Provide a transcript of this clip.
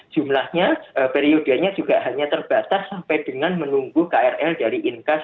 jumlahnya hanya dibatasi untuk kualitas